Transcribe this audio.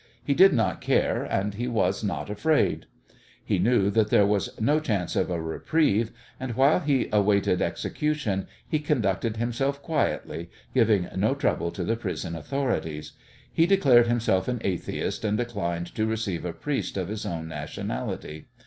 He did not care, and he was not afraid. He knew that there was no chance of a reprieve, and while he awaited execution he conducted himself quietly, giving no trouble to the prison authorities. He declared himself an atheist and declined to receive a priest of his own nationality.